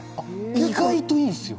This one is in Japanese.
意外といいですよ。